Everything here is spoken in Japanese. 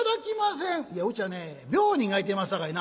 「いやうちはね病人がいてますさかいな」。